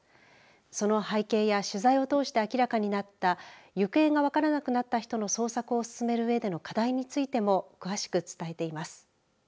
その背景や取材を通して明らかになった行方が分からなくなった人の捜索を進めるうえでの課題についても詳しく伝えています。